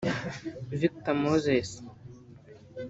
Victor Moses